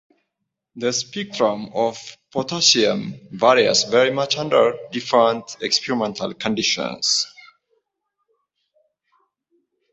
The spectrum of potassium varies very much under different experimental conditions.